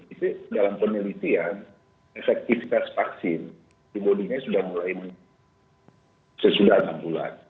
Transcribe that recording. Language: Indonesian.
itu dalam penelitian efektivitas vaksin antibody nya sudah mulai sesudah enam bulan